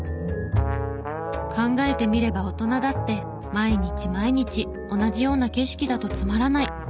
考えてみれば大人だって毎日毎日同じような景色だとつまらない。